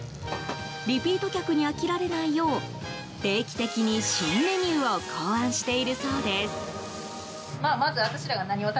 リピート客に飽きられないよう定期的に新メニューを考案しているそうです。